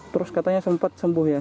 terus katanya sempat sembuh ya